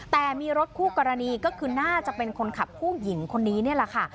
แต่มีรถคู่กรณีก็คือน่าจะเป็นคนขับผู้หญิงคนนี้นี่แหละค่ะ